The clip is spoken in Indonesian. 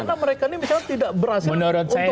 ya karena mereka ini tidak berhasil untuk ke publik